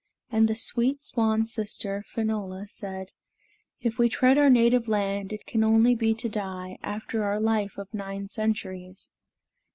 And the sweet swan sister, Finola, said, "If we tread our native land, it can only be to die, after our life of nine centuries.